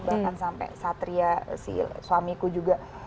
bahkan sampai satria si suamiku juga